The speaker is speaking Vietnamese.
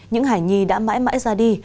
những hải nhi đã mãi mãi ra đi